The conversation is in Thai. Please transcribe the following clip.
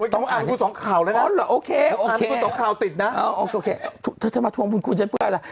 ต้องอ่านคุณสองข่าวเลยนะอ่านคุณสองข่าวติดนะโอเคโอเคเธอมาทวงคุณชั้นเพื่ออะไร